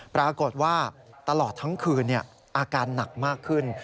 ปรากฏว่าตลอดทั้งคืนอาการหนักมากขึ้น